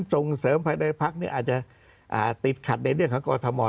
จงเสริมภายในภักดิ์เนี่ยอาจจะอ่าติดขัดในเรื่องของกฎธมอล